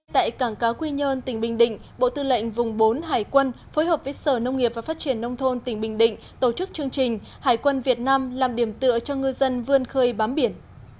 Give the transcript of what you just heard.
tại cảng cá quy nhơn tỉnh bình định bộ tư lệnh vùng bốn hải quân phối hợp với sở nông nghiệp và phát triển nông thôn tỉnh bình định tổ chức chương trình hải quân việt nam làm điểm tựa cho ngư dân vươn khơi bám biển